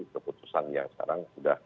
keputusan yang sekarang sudah